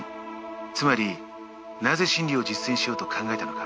つまりなぜ真理を実践しようと考えたのか。